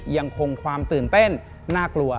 ยังคงความตื่นเต้นน่ากลัว